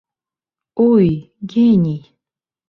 Уй, гений!